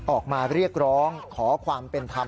ออกมาเรียกร้องขอความเป็นธรรม